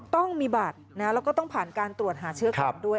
ต้องมีบัตรแล้วก็ต้องผ่านการตรวจหาเชื้อก่อนด้วย